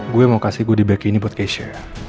gue mau kasih gudi back ini buat keisha